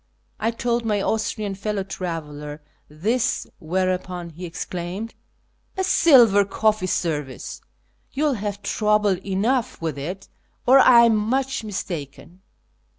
I told my Austrian fellow traveller this, whereupon he exclaimed :" A silver coffee service ! You will have trouble enough with it, or I am much mistaken.